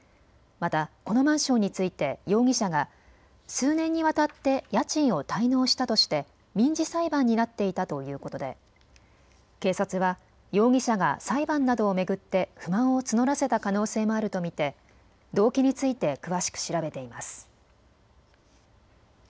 また、このマンションについて容疑者が数年にわたって家賃を滞納したとして民事裁判になっていたということで警察は容疑者が裁判などを巡って不満を募らせた可能性もあると見て動機について詳しく調べています。